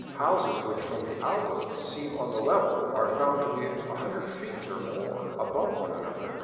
Houses which from the " Alto " seem on the level are found to be a hundred feet or more one above the other.